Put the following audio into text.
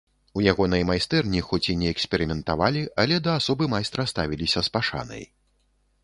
У ягонай майстэрні, хоць і не эксперыментавалі, але да асобы майстра ставіліся з пашанай.